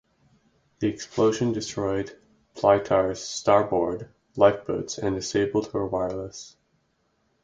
The explosion destroyed "Blitar"s starboard lifeboats and disabled her wireless.